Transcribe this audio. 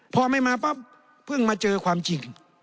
พอไม่มาปั๊บเพิ่งมาเจอความจริง